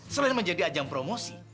selain menjadi ajang promosi